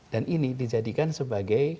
dan ini dijadikan sebagai